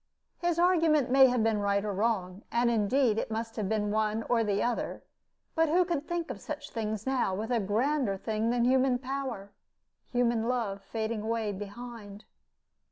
His argument may have been right or wrong and, indeed, it must have been one or the other but who could think of such things now, with a grander thing than human power human love fading away behind?